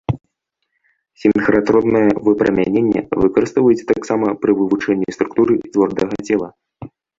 Сінхратроннае выпрамяненне выкарыстоўваюць таксама пры вывучэнні структуры цвёрдага цела.